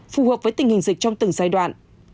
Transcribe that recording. phù hợp với tình hình dịch trong từng giai đoạn